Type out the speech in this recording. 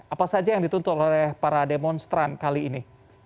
apa saja yang dituntut oleh para demonstran kali ini